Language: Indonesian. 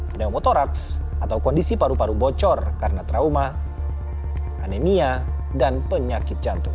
pneumotoraks atau kondisi paru paru bocor karena trauma anemia dan penyakit jantung